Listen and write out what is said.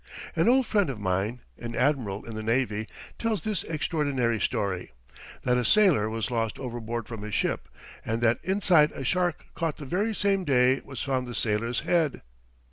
An old friend of mine, an admiral in the navy, tells this extraordinary story that a sailor was lost overboard from his ship, and that inside a shark caught the very same day was found the sailor's head.